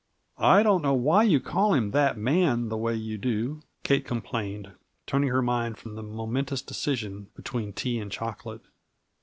"I don't know why you call him 'that man,' the way you do," Kate complained, turning her mind from the momentous decision between tea and chocolate.